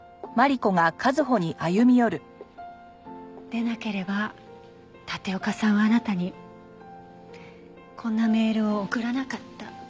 でなければ立岡さんはあなたにこんなメールを送らなかった。